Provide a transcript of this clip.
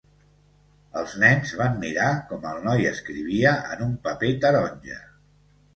Els nens van mirar com el noi escrivia en un paper taronja.